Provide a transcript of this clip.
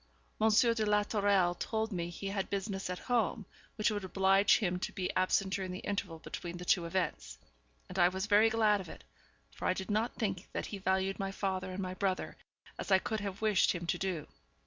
Monsieur de la Tourelle told me he had business at home, which would oblige him to be absent during the interval between the two events; and I was very glad of it, for I did not think that he valued my father and my brother as I could have wished him to do.